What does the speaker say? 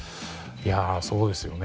そうですよね。